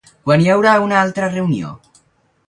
Quan hi haurà una altra reunió?